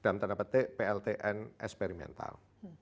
dalam tanda petik pltn eksperimental